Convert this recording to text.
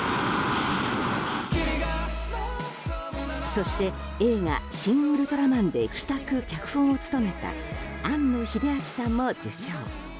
そして映画「シン・ウルトラマン」で企画・脚本を務めた庵野秀明さんも受章。